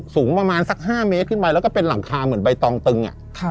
สูงประมาณสัก๕เมตรขึ้นไปแล้วก็เป็นหลังคาเหมือนใบตองตึง